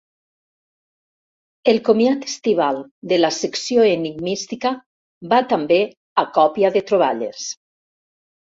El comiat estival de la secció enigmística va també a còpia de troballes.